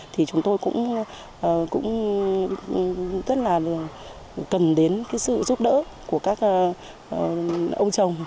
thì chúng tôi cũng rất là cần đến cái sự giúp đỡ của các ông chồng